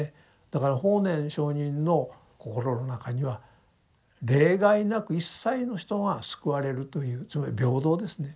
だから法然上人の心の中には例外なく一切の人が救われるというつまり平等ですね。